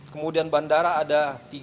kemudian bandara ada tiga